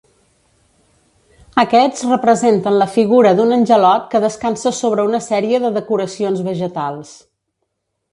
Aquests representen la figura d'un angelot que descansa sobre una sèrie de decoracions vegetals.